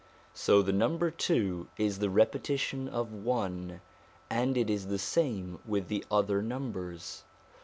So the number two is the repetition of one, and it is the same with the other numbers.